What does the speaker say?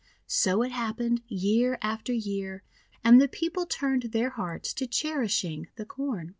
So it happened year after year, and the People turned their hearts to cherishing the Corn.